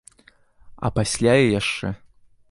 А пасля і яшчэ.